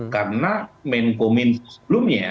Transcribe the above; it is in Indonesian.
karena menko minfo sebelumnya